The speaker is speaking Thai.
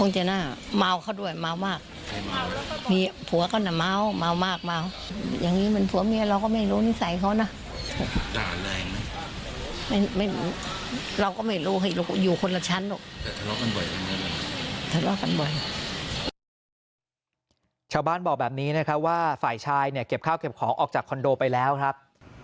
ชาวบ้านบอกแบบนี้นะครับว่าฝ่ายชายเนี่ยเก็บข้าวเก็บของออกจากคอนโดไปแล้วครับ